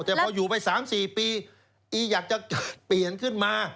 แต่พออยู่ไป๓๔ปีอีอยากจะเปลี่ยนขึ้นมา